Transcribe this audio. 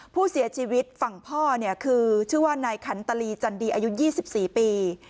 ผู้เสียชีวิตฝั่งพ่อเนี่ยคือชื่อว่านายขันตลีจันดีอายุ๒๔ปี